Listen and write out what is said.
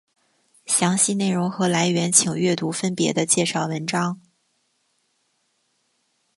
详细内容和来源请阅读分别的介绍文章。